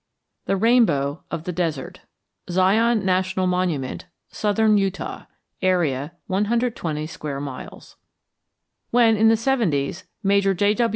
XVII THE RAINBOW OF THE DESERT ZION NATIONAL MONUMENT, SOUTHERN UTAH. AREA, 120 SQUARE MILES When, in the seventies, Major J.